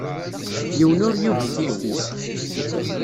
Yiwen ur yugi tikti-s.